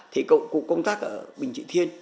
thì cụ công tác ở bình trị thiên